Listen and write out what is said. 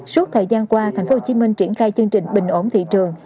suốt thời gian qua tp hcm triển khai chương trình bình ổn thị trường